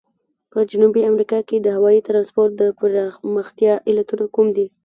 په جنوبي امریکا کې د هوایي ترانسپورت د پرمختیا علتونه کوم دي؟